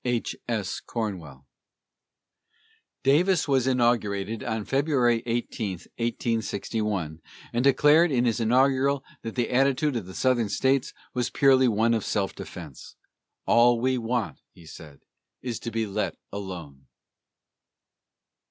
H. S. CORNWELL. Davis was inaugurated on February 18, 1861, and declared in his inaugural that the attitude of the Southern States was purely one of self defence. "All we want," he said, "is to be let alone."